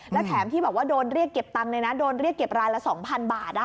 และแถมที่บอกว่าโดนเรียกเก็บตังค์เลยนะโดนเรียกเก็บรายละ๒๐๐บาท